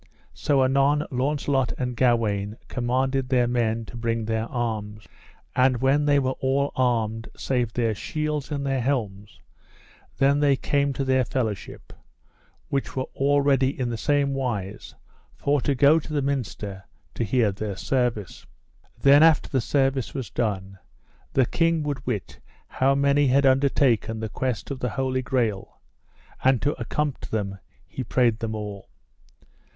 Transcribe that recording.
So anon Launcelot and Gawaine commanded their men to bring their arms. And when they all were armed save their shields and their helms, then they came to their fellowship, which were all ready in the same wise, for to go to the minster to hear their service. Then after the service was done the king would wit how many had undertaken the quest of the Holy Grail; and to accompt them he prayed them all.